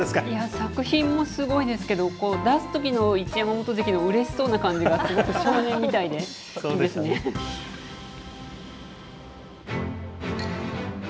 作品もすごいですけど、出すときの一山本関のうれしそうな感じがすごく少年みたいで、いいですね。